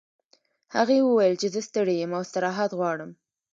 هغې وویل چې زه ستړې یم او استراحت غواړم